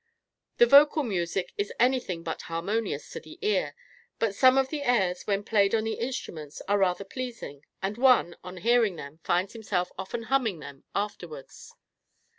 The vocal music is anything but harmonious to the ear, but some of the airs, when played on the instruments, are rather pleasing, and one, on hearing them, finds himself often humming them afterwards.